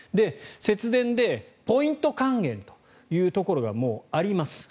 節電でポイント還元というところがあります。